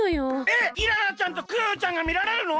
えっイララちゃんとクヨヨちゃんがみられるの？